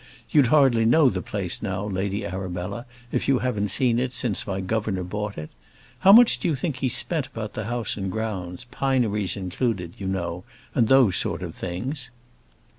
You'd hardly know the place now, Lady Arabella, if you haven't seen it since my governor bought it. How much do you think he spent about the house and grounds, pineries included, you know, and those sort of things?"